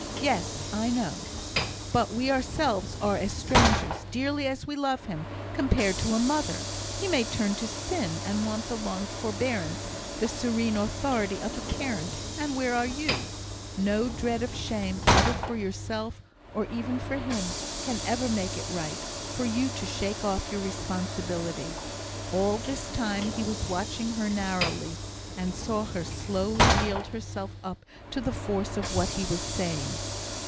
Yes; I know! But we ourselves are as strangers, dearly as we love him, compared to a mother. He may turn to sin, and want the long forbearance, the serene authority of a parent; and where are you? No dread of shame, either for yourself, or even for him, can ever make it right for you to shake off your responsibility." All this time he was watching her narrowly, and saw her slowly yield herself up to the force of what he was saying.